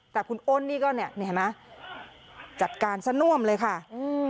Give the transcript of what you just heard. แต่คุณอ้นนี่ก็เนี่ยนี่เห็นไหมจัดการซะน่วมเลยค่ะอืม